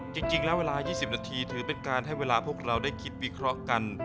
จริงแล้วเวลา๒๐นาทีถือเป็นการให้เวลาพวกเราได้คิดวิเคราะห์กัน